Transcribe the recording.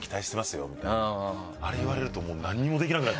あれ言われるともう。